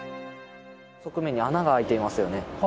側面に穴が開いてますよね。